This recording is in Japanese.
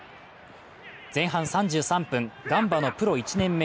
前半３３分、ガンバのプロ１年目・